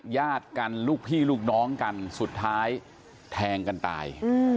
ญาติกันลูกพี่ลูกน้องกันสุดท้ายแทงกันตาย